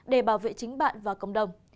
để bảo vệ chính bạn và cộng đồng